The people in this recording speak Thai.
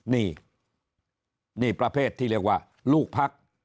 นี่นี่ประเภทที่เรียกว่าลูกพัก